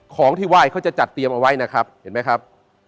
ของที่ไหว้เขาจะจัดเตรียมเอาไว้นะครับเห็นมั้ยครับ๑๒๓๔๕๖๗๘๙๑๐๑๒